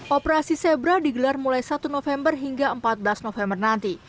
operasi zebra digelar mulai satu november hingga empat belas november nanti